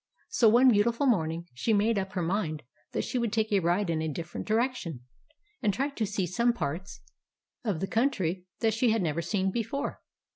So one beautiful morning she made up her mind that she would take a ride in a differ ent direction, and try to see some parts of the country that she had never seen before.